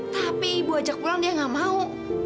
tapi ibu ajak pulang dia gak mau